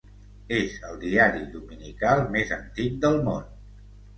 És el diari dominical més antic del món.